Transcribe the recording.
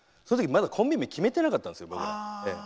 そのときまだコンビ名決めてなかったんです。